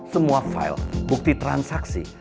semua file bukti transaksi